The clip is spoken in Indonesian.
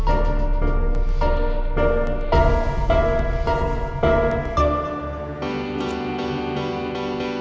oh rasa sisi dari lo